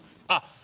あっ！